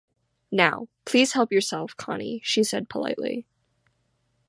“Now, please help yourself, Connie,” she said politely.